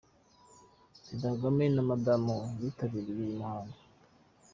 Perezida Kagame na Mme we bitabiriye uyu muhango